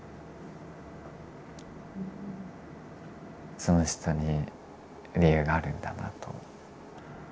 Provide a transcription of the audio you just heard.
その人に理由があるんだなと。